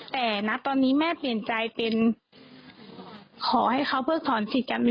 แต่นะตอนนี้แม่เปลี่ยนใจเป็น